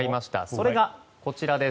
それが、こちら。